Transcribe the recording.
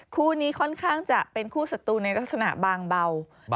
คู่นี้ค่อนข้างจะเป็นคู่ศัตรูในลักษณะบางเบา